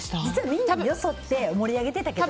みんなによそって盛り上げてたけど。